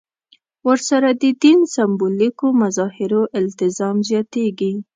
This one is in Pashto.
ورسره د دین سېمبولیکو مظاهرو التزام زیاتېږي.